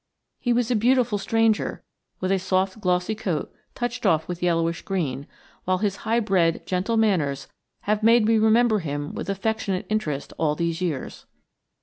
He was a beautiful stranger with a soft glossy coat touched off with yellowish green, while his high bred gentle manners have made me remember him with affectionate interest all these years.